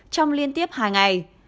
trong liên tiếp hai ngày